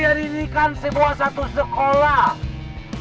kalian ini kan sebuah satu sekolah